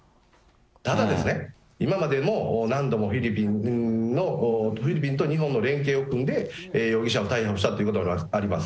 ただですね、今までも何度もフィリピンと日本の連携を組んで、容疑者を逮捕したということがあります。